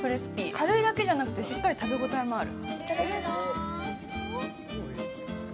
軽いだけじゃなくてしっかり食べ応えもある。